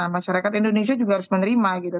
masyarakat indonesia juga harus menerima gitu